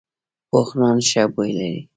پوخ نان ښه بوی لري